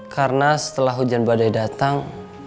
karena setelah hujan badai datang